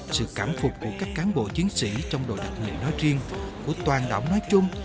sự cảm phục của các cán bộ chiến sĩ trong đội đặc nhiệm nói riêng của toàn đảo nói chung